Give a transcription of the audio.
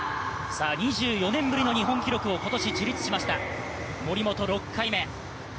２４年ぶりの日本記録を今年樹立しました森本、６回目。